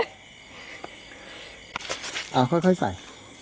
เอาค่อยใส่